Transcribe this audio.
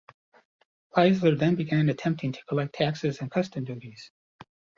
Leisler then began attempting to collect taxes and customs duties.